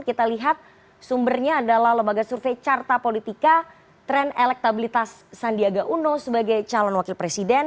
kita lihat sumbernya adalah lembaga survei carta politika tren elektabilitas sandiaga uno sebagai calon wakil presiden